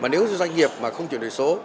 mà nếu doanh nghiệp không chuyển đổi số